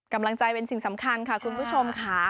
กำลังใจเป็นสิ่งสำคัญค่ะคุณผู้ชมค่ะ